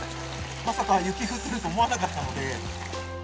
まさか雪降ってると思わなかったので。